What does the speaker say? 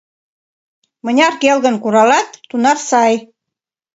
Мыняр келгын куралат, тунар сай.